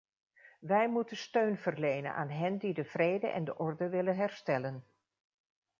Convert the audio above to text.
Wij moeten steun verlenen aan hen die de vrede en de orde willen herstellen.